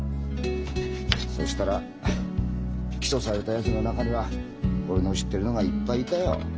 そしたら起訴されたやつの中には俺の知ってるのがいっぱいいたよ。